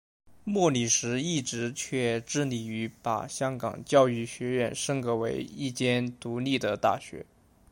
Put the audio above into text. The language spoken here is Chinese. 莫礼时一直却致力于把香港教育学院升格为一间独立的大学。